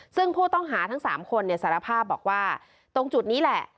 ซึ่งผู้ต้องหาทั้ง๓คนสารภาพบอกว่าตรงจุดนี้แหละ